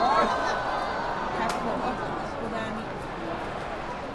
Kakó koʼo ku dami.